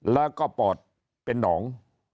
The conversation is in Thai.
แล้วก็ปอดเป็นหนอง